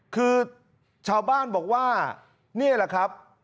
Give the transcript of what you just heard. คือชาวบ้านบอกว่านี่แหละครับ